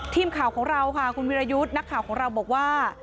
ทีมข่าวของเราค่ะคุณวิรยุทธ์นักข่าวของเราบอกว่า